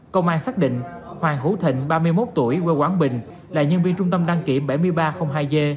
công an xác định hoàng hữu thịnh ba mươi một tuổi quê quảng bình là nhân viên trung tâm đăng kiểm bảy nghìn ba trăm linh hai g